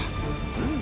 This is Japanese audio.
うん。